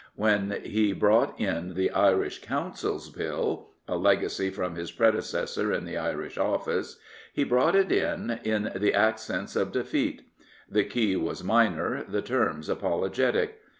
When he brought in the Irish Councils Bill — a legacy from his predecessor in the Irish Office — he brought it in in the accents of defeat. The key was minor, the terms apologetic.